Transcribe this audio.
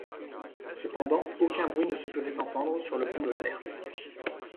Cependant aucun bruit ne se faisait entendre sur le pont de l’Alert.